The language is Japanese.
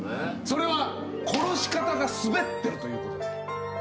それは殺し方がすべってるということです。